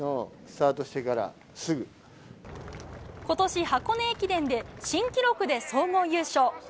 今年、箱根駅伝で新記録で総合優勝。